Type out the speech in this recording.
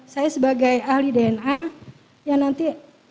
saya sebagai ahli